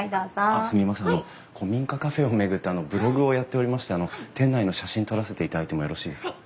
あの古民家カフェを巡ってブログをやっておりまして店内の写真撮らせていただいてもよろしいですか？